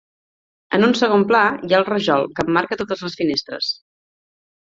En un segon pla, hi ha el rajol que emmarca totes les finestres.